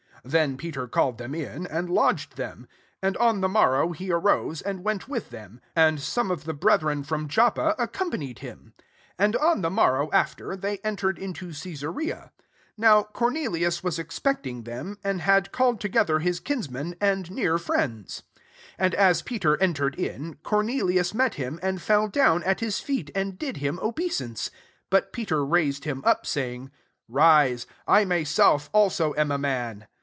23 Then Peter called them in, and lodged them. And on the morrow he arose, and went with them ; and some of the breth ren from Joppa accompanied hinu 24 And on the morrow aftcTf they entered into Cesarea. Now Cornelius was expecting them ; and had called together his Ipnsmen and neai* friends. 25 And as Peter entered in, Cornelius met him, and fell down at his feet, and did him obeisance. 26 But Peter raised him up, saying, " Rise : I my self also am a man."